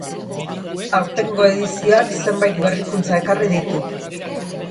Aurtengo edizioak zenbait berrikuntza ekarri ditu.